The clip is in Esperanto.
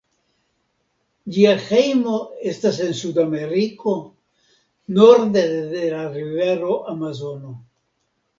Ĝia hejmo estas en Sudameriko, norde de la rivero Amazono.